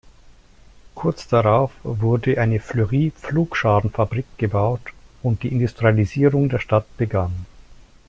Kurz darauf wurde eine Fleury-Pflugscharenfabrik gebaut und die Industrialisierung der Stadt begann.